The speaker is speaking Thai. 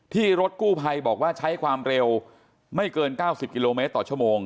รถกู้ภัยบอกว่าใช้ความเร็วไม่เกิน๙๐กิโลเมตรต่อชั่วโมง